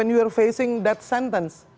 saat kamu menghadapi penyelesaian itu